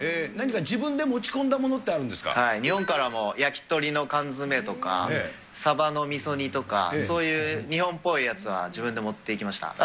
何か自分で持ち込んだものっ日本からも、焼き鳥の缶詰とか、サバのみそ煮とか、そういう日本っぽいやつは自分で持っていきました。